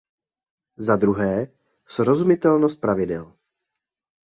Za druhé, srozumitelnost pravidel.